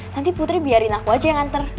nanti putri biarin aku aja yang nganter